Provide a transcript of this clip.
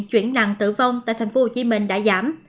chuyển nặng tử vong tại thành phố hồ chí minh đã giảm